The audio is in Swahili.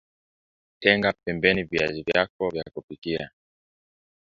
tenga pembeni viazi vyako vya kupika